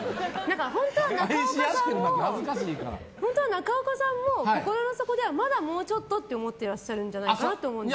私は思うに本当は中岡さんも心の底ではまだもうちょっとって思っていらっしゃるんじゃないかなと思うんです。